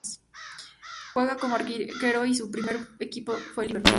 Juega como arquero y su primer equipo fue Liverpool.